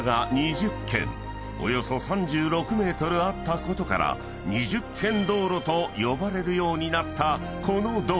［およそ３６ｍあったことから二十間道路と呼ばれるようになったこの道路］